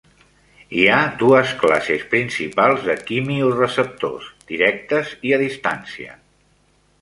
Hi ha dues classes principals de quimioreceptors: directes i a distància.